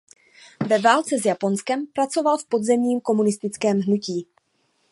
Ve válce s Japonskem pracoval v podzemním komunistickém hnutí.